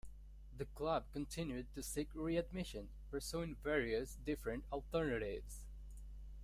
The club continued to seek readmission, pursuing various different alternatives.